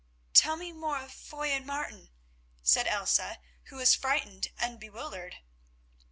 "Tell me more of Foy and Martin," said Elsa, who was frightened and bewildered.